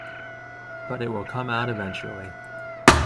But it will come out eventually.